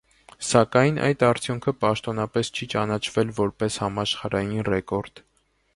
Սակայն այդ արդյունքը պաշտոնապես չի ճանաչվել որպես համաշխարհային ռեկորդ։